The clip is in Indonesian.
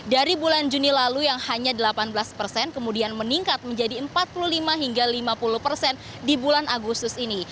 dari bulan juni lalu yang hanya delapan belas persen kemudian meningkat menjadi empat puluh lima hingga lima puluh persen di bulan agustus ini